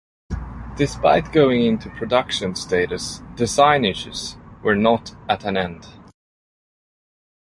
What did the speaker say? Despite going into production status, design issues were not at an end.